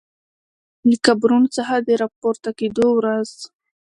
له قبرونو څخه د راپورته کیدو ورځ